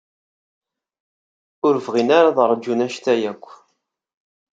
Ur bɣin ad ṛjun anect-a akk.